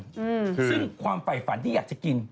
ซึ่งความไฝฝันที่อยากจะกิน